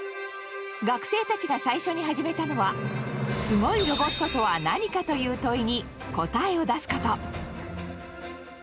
学生たちが最初に始めたのは「すごいロボットとは何か？」という問いに答えを出すこと。